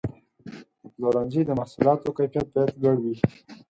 د پلورنځي د محصولاتو کیفیت باید لوړ وي.